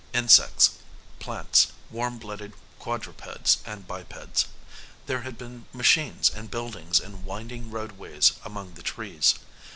Insects, plants, warm blooded quadrupeds and bipeds. There had been machines and buildings and winding roadways among the trees.